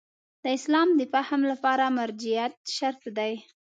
د اسلام د فهم لپاره مرجعیت شرط دی.